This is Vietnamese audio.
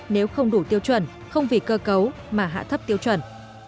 nếu không đủ tiêu chuẩn không vì cơ cấu mà hạ thấp tiêu chuẩn